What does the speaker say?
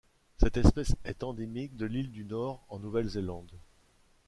Cette espèce est endémique de l'île du Nord en Nouvelle-Zélande.